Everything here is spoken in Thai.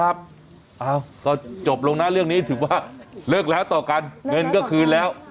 เอ้าก็จบลงนะเรื่องนี้ถือว่าเลิกแล้วต่อกันเงินก็คืนแล้ว